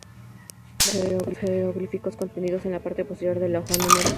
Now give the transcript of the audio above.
De acuerdo a los jeroglíficos contenidos en la parte posterior de la hoja núm.